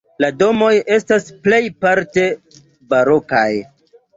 La domoj estas plejparte barokaj.